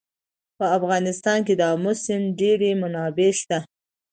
په افغانستان کې د آمو سیند ډېرې منابع شته.